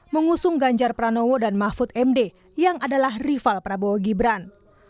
mengusung ganjar pranowo dan mahfud md yang adalah rival prabowo gibran